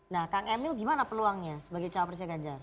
nah kang emil gimana peluangnya sebagai cowok persia mas ganjar